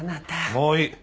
もういい。